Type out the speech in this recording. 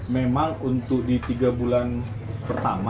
memang untuk di tiga bulan pertama